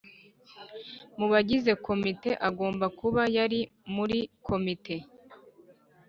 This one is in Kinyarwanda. Mu bagize komite agomba kuba yari muri komite